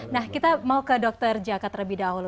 nah kita mau ke dr jaka terlebih dahulu